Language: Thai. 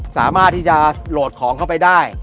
สามารถที่จะโหลดของเข้าไปได้